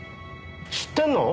知ってんの？